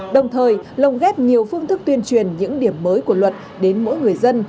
đồng thời lồng ghép nhiều phương thức tuyên truyền những điểm mới của luật đến mỗi người dân